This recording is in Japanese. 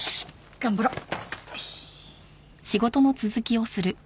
頑張ろう！